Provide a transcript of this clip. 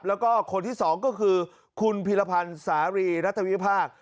แล้วก็คนที่๒ก็คือคุณพิรพันธ์สารีรัฐวิพากษ์